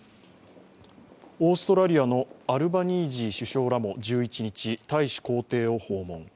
オーストラリアのアルバニージー首相らも１１日、大使公邸を訪問。